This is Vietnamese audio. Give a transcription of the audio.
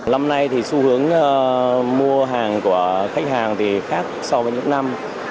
năm nay thì xu hướng mua hàng của khách hàng thì khác so với những năm